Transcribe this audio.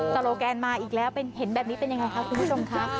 โลแกนมาอีกแล้วเห็นแบบนี้เป็นยังไงคะคุณผู้ชมค่ะ